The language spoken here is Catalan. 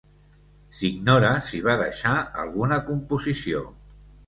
S'ignora si va deixar alguna composició.